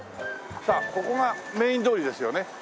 さあここがメイン通りですよね。